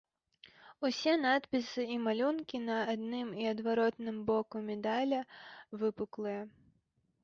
Усе надпісы і малюнкі на адным і на адваротным боку медаля выпуклыя.